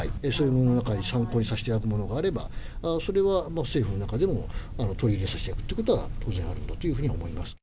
その中で参考にさせていただくものがあれば、それは政府の中でも取り入れさせていただくということは、当然あるんだと思います。